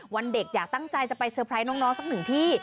วันเด็กอยากตั้งใจจะไปเซอร์ไพรส์น้องสักหนึ่งที่